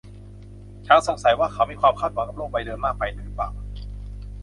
ฉันสงสัยว่าเขามีความคาดหวังกับโลกใบเดิมมากไปหรือเปล่า